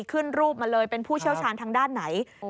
ขึ้นรูปมาเลยเป็นผู้เชี่ยวชาญทางด้านไหน